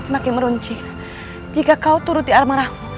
semakin merunci jika kau turut diarmamu